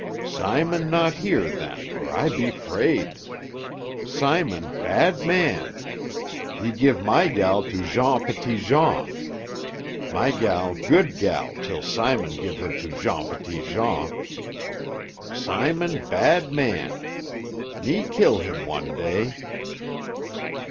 Simon not here then or I be 'fraid. Simon bad man. He give my gal to Jean Petitjean. My gal good gal till Simon give her to Jean Petitjean. Simon bad man. Me kill him one day."